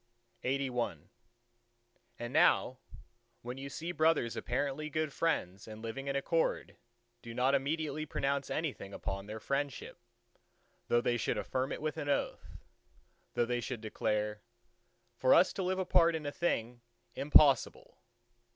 LXXXII And now, when you see brothers apparently good friends and living in accord, do not immediately pronounce anything upon their friendship, though they should affirm it with an oath, though they should declare, "For us to live apart in a thing impossible!"